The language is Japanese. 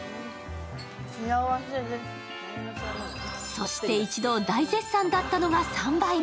そして一同大絶賛だったのが３杯目。